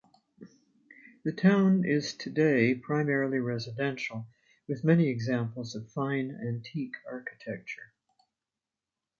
The town is today primarily residential, with many examples of fine antique architecture.